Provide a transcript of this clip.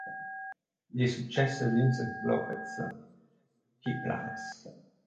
Gli successe Vicente López y Planes.